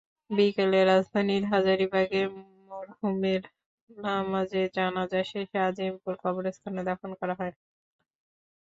বিকেলে রাজধানীর হাজারীবাগে মরহুমের নামাজে জানাজা শেষে আজিমপুর কবরস্থানে দাফন করা হয়।